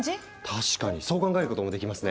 確かにそう考えることもできますね。